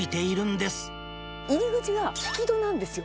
入り口が引き戸なんですよ。